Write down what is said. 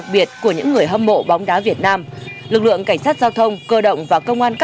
thì ngay trong sáng ngày hôm nay